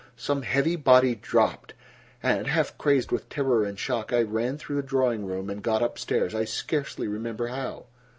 Some heavy body dropped, and, half crazed with terror and shock, I ran through the drawing room and got up stairs—I scarcely remember how."